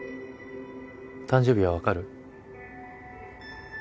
誕生日はわかる？